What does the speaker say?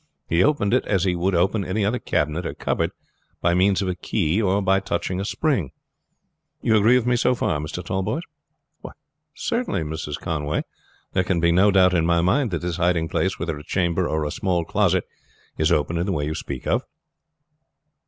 He opened it as he would open any other cabinet or cupboard, by means of a key or by touching a spring. You agree with me so far, Mr. Tallboys?" "Certainly, Mrs. Conway. There can be no doubt in my mind that this hiding place, whether a chamber or a small closet, is opened in the way you speak of."